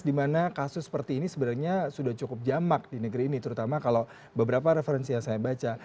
dimana kasus seperti ini sebenarnya sudah cukup jamak di negeri ini terutama kalau beberapa referensi yang saya baca